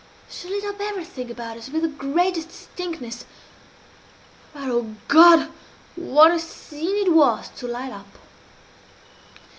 She lit up everything about us with the greatest distinctness but, oh God, what a scene it was to light up!